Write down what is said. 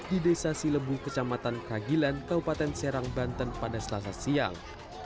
di desa silebu kecamatan kagilan kabupaten serang banten pada selasa siang